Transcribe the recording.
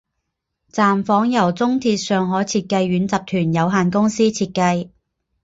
站房由中铁上海设计院集团有限公司设计。